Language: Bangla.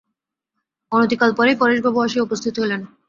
অনতিকাল পরেই পরেশবাবু আসিয়া উপস্থিত হইলেন।